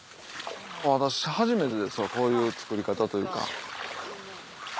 私初めてですわこういう作り方というか。